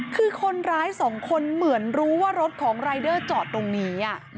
คือคนร้ายสองคนเหมือนรู้ว่ารถของรายเดอร์จอดตรงนี้